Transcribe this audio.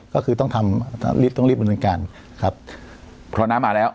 ก็คือต้องทำรีบต้องรีบดำเนินการครับเพราะน้ำมาแล้ว